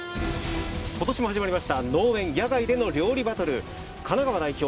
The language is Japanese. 今年も始まりました農園野外での料理バトル神奈川代表